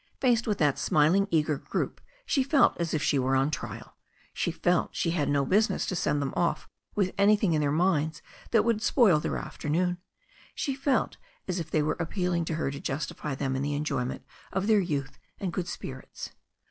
Faced with that smiling, eager group, ^e felt as if she were on trial. She felt she had no business to send them* tt 3o8 THE STORY OF A NEW ZEALAND RIVER off with anything in their minds that would spoil their after noon. She felt as if they were appealing to her to justify them in the enjoyment of their youth and good spirits.